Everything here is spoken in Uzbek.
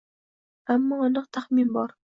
Ammo aniq taxmin bor